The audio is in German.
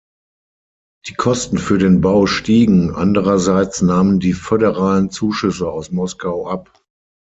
Die Kosten für den Bau stiegen, andererseits nahmen die föderalen Zuschüsse aus Moskau ab.